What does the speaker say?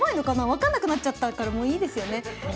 分かんなくなっちゃったからもういいですよね？